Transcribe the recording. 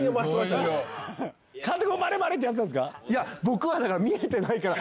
監督も回れ回れ！ってやってたんすか？